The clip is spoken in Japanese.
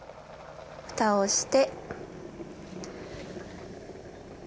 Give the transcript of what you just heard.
ふたをして。